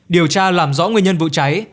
điều tra làm rõ nguyên nhân vụ cháy